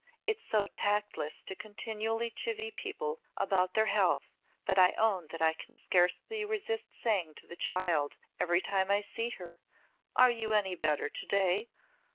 "It's so tactless to continually chivy people about their health, but I own that I can scarcely resist saying to the child every time I see her, 'Are you any better today?'